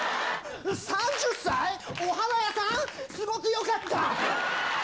３０歳、お花屋さん、すごくよかった。